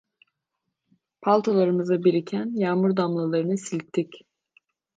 Paltolarımıza biriken yağmur damlalarını silktik.